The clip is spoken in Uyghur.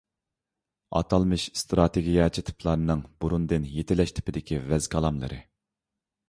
ئاتالمىش ئىستراتېگىيەچى تىپلارنىڭ بۇرۇندىن يېتىلەش تىپىدىكى ۋەز - كالاملىرى